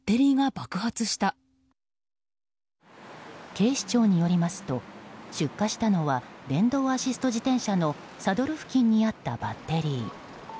警視庁によりますと出火したのは電動アシスト自転車のサドル付近にあったバッテリー。